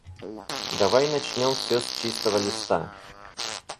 Давай начнём всё с чистого листа.